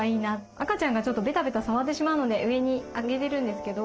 赤ちゃんがベタベタ触ってしまうので上に上げてるんですけど。